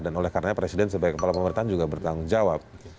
dan oleh karena presiden sebagai kepala pemerintahan juga bertanggung jawab